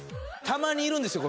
たまにいるんですよ